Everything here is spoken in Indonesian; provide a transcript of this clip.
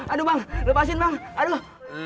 aduh bang lepasin bang aduh